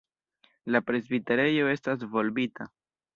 La presbiterejo estas volbita.